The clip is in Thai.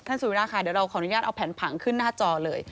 สุวิราค่ะเดี๋ยวเราขออนุญาตเอาแผนผังขึ้นหน้าจอเลย